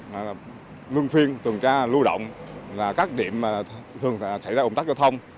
nguyên phiên tường tra lưu động là các điểm thường xảy ra ủn tắc giao thông